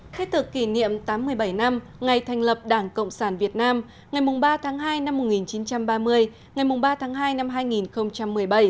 khách thực kỷ niệm tám mươi bảy năm ngày thành lập đảng cộng sản việt nam ngày ba tháng hai năm một nghìn chín trăm ba mươi ngày ba tháng hai năm hai nghìn một mươi bảy